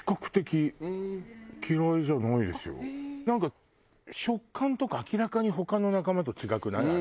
なんか食感とか明らかに他の仲間と違くない？